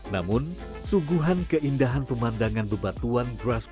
namun suguhan keindahan pemandangan beban ini tidak terlalu banyak